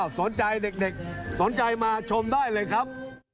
สนใจเด็กสนใจมาชมได้เลยครับ